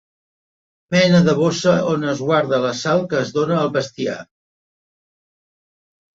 Mena de bossa on es guarda la sal que es dóna al bestiar.